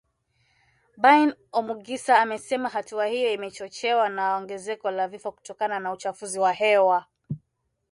Bain Omugisa amesema hatua hiyo imechochewa na ongezeko la vifo kutokana na uchafuzi wa hewa ulimwenguni.